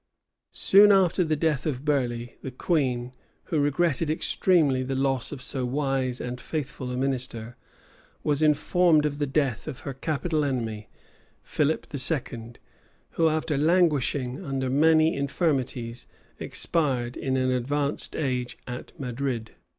* Rymer, vol. xvi. p. 340. Soon after the death of Burleigh, the queen, who regretted extremely the loss of so wise and faithful a minister, was informed of the death of her capital enemy, Philip II., who, after languishing under many infirmities, expired in an advanced age at Madrid.